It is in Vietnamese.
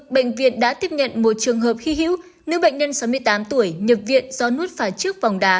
bệnh viện đã tiếp nhận một trường hợp hy hữu nữ bệnh nhân sáu mươi tám tuổi nhập viện do nút phải trước vòng đá